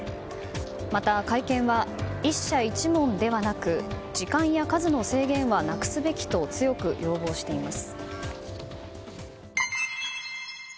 また、会見は１社１問ではなく時間や数の制限はなくすべきと強く要望しています。